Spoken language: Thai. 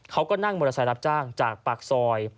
เขาก็นั่งมอเตอร์ไซค์รับจ้างจากปากซอย